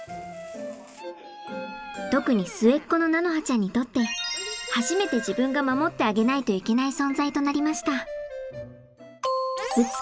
特に末っ子の菜花ちゃんにとって初めて自分が守ってあげないといけない存在となりました